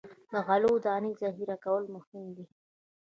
د غلو دانو ذخیره کول مهم دي.